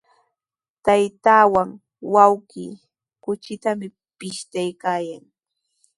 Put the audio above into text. Taytaawan wawqi kuchitami pishtaykaayan.